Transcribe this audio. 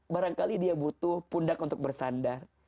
barangkali dia butuh pundak untuk bersandar